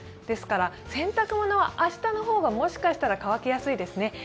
ですから、洗濯物は明日の方が、もしかしたら乾きやすいですね。